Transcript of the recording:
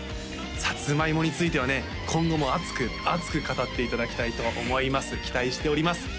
さつまいもについてはね今後も熱く熱く語っていただきたいと思います期待しております